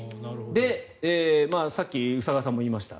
さっき宇佐川さんも言いました。